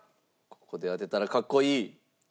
ここで当てたら格好いい！